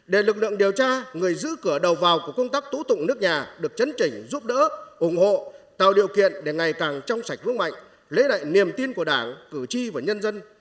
để lực lượng điều tra người giữ cửa đầu vào của công tác tố tụng nước nhà được chấn chỉnh giúp đỡ ủng hộ tạo điều kiện để ngày càng trong sạch vững mạnh lấy lại niềm tin của đảng cử tri và nhân dân